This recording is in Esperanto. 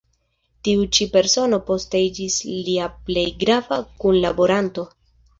Tiu ĉi persono poste iĝis lia plej grava kunlaboranto.